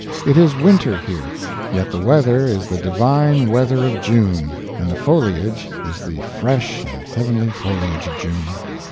It is winter here, yet the weather is the divine weather of June, and the foliage is the fresh and heavenly foliage of June.